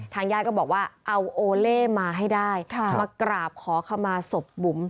ญาติก็บอกว่าเอาโอเล่มาให้ได้มากราบขอขมาศพบุ๋ม